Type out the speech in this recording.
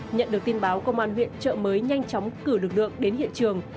nhận được tin báo công an huyện trợ mới nhanh chóng cử lực lượng đến hiện trường